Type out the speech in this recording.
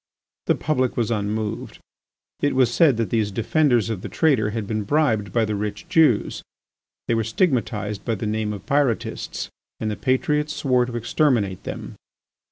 The public was unmoved. It was said that these defenders of the traitor had been bribed by the rich Jews; they were stigmatized by the name of Pyrotists and the patriots swore to exterminate them.